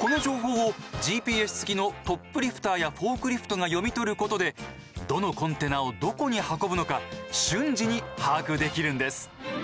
この情報をＧＰＳ付きのトップリフターやフォークリフトが読み取ることでどのコンテナをどこに運ぶのか瞬時に把握できるんです。